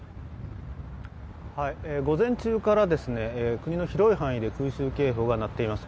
午前中から、国の広い範囲で空襲警報が鳴っています。